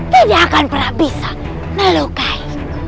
tidak akan pernah bisa melukai